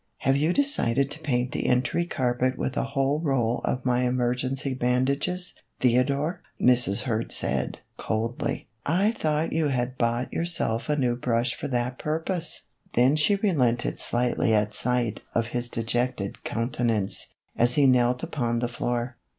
" Have you decided to paint the entry carpet with a whole roll of my emergency bandages, Theodore ?" Mrs. Kurd said, coldly. " I thought you had bought yourself a new brush for that purpose." Then she 104 MR HURD^S HOLIDAY. relented slightly at sight of his dejected countenance, as he knelt upon the floor.